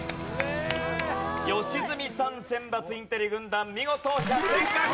良純さん選抜インテリ軍団見事１００点獲得！